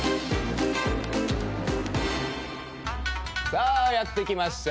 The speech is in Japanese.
さあやって来ました。